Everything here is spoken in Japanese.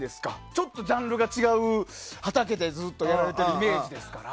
ちょっとジャンルが違うところでずっとやられているイメージですから。